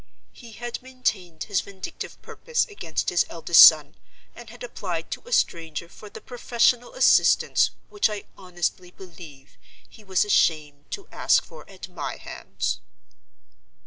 He had maintained his vindictive purpose against his eldest son, and had applied to a stranger for the professional assistance which I honestly believe he was ashamed to ask for at my hands.